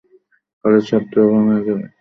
খালিদ সন্তর্পনে সেদিকে যান।